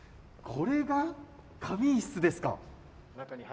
これが仮眠室ですか。